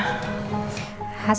hasil tes ibu sudah keluar